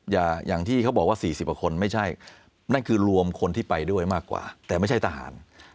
อย่างที่เขาบอกว่า๔๐กว่าคนไม่ใช่นั่นคือรวมคนที่ไปด้วยมากกว่าแต่ไม่ใช่ทหาร